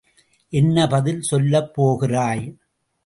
என்ன பதில் சொல்லப் போகிறாய்?